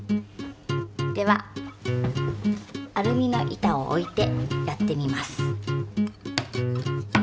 ではアルミの板を置いてやってみます。